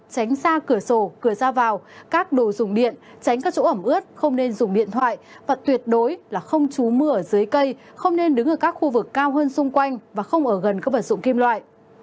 tránh xa cửa sổ cửa ra vào các đồ dùng điện tránh các chỗ ẩm ướt không nên dùng điện thoại và tuyệt đối là không trú mưa ở dưới cây không nên đứng ở các khu vực cao hơn xung quanh và không ở gần các vật dụng kim loại